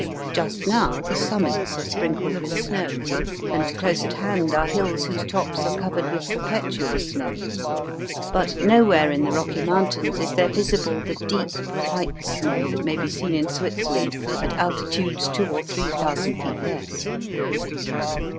Just now the summits are sprinkled with snow, and close at hand are hills whose tops are covered with perpetual snow ; but nowhere in the Kocky Mountains is there visible the deep white [snow that may be seen in Switzerland at altitudes two or three thousand feet less.